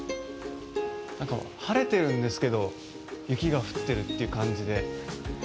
なんか晴れてるんですけど雪が降ってるという感じで。